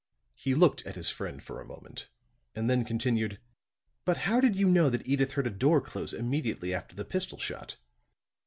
He looked at his friend for a moment and then continued: "But how did you know that Edyth heard a door close immediately after the pistol shot?"